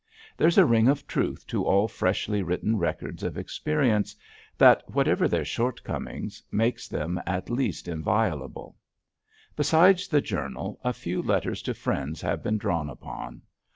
There's a ring of truth to all freshly written records of experience that, whatever their shortcomings, makes them at least inviolable. Besides the journal, a few letters to friends have been drawn upon.